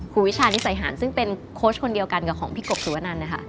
ครูวิชานิสัยหารซึ่งเป็นโค้ชคนเดียวกันกับของพี่กบถือว่านั้น